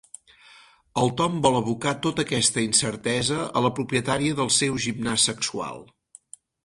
El Tom vol abocar tota aquesta incertesa a la propietària del seu gimnàs sexual.